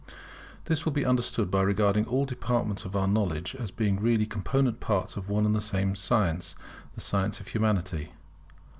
This will be understood by regarding all departments of our knowledge as being really component parts of one and the same science; the science of Humanity.